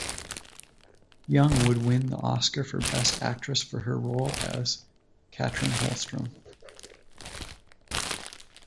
Young would win the Oscar for Best Actress for her role as Katrin Holstrom.